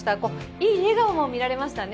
いい笑顔も見られましたね。